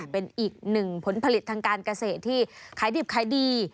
เป็นอีกหนึ่งผลผลิตทางการเกษตรที่ขายดิบขายดี